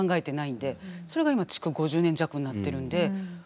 それが今築５０年弱になってるんで。